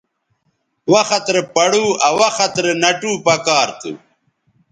وخت رے پڑو آ وخت رے نَٹو پکار تھو